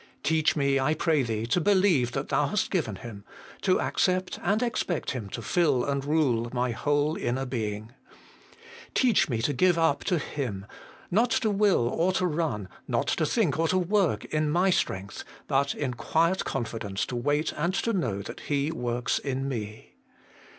Teach me, I pray Thee, to believe that Thou hast given Him, to accept and expect Him to fill and rule my whole inner being. Teach me to give up to Him ; not to will or to run, not to think or to work in my strength, but in quiet confidence to wait and to know that He works in me.